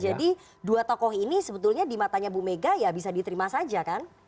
jadi dua tokoh ini sebetulnya di matanya ibu mega ya bisa diterima saja kan